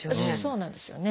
そうなんですよね。